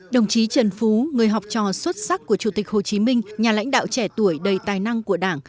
đồng chí trần phú người học trò xuất sắc của chủ tịch hồ chí minh nhà lãnh đạo trẻ tuổi đầy tài năng của đảng